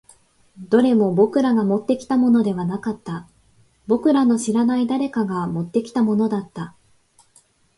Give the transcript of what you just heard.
どれも僕らがもってきたものではなかった。僕らの知らない誰かが持ってきたものだった。